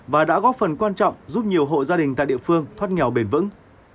và đã góp phần quan trọng giúp nhiều hộ gia đình tại địa phương thoát nghèo bền vững